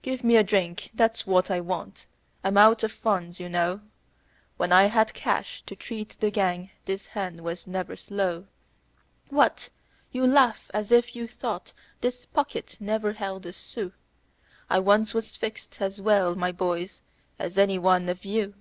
"Give me a drink that's what I want I'm out of funds, you know, When I had cash to treat the gang this hand was never slow. What? You laugh as if you thought this pocket never held a sou; I once was fixed as well, my boys, as any one of you.